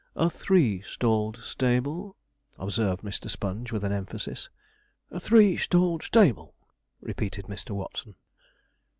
'A three stall'd stable!' observed Mr. Sponge, with an emphasis. 'A three stall'd stable,' repeated Mr. Watson.